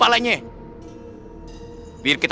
pokoknya ada singlet